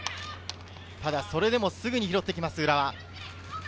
ただ、それでもすぐに拾ってきます、浦和。